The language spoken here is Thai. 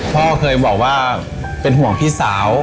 พ่อเคยบอกว่าเป็นห่วงพี่สาว